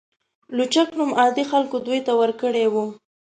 لوچک نوم عادي خلکو دوی ته ورکړی و.